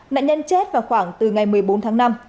nạn nhân chết vào khoảng từ ngày một mươi bốn tháng năm